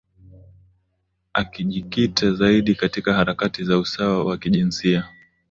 Akijikita zaidi katika harakati za usawa wa kijinsia